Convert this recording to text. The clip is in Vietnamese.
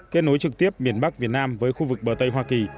kết nối trực tiếp miền bắc việt nam với khu vực bờ tây hoa kỳ